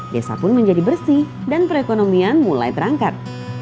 desa pun menjadi bersih dan perekonomian mulai terangkat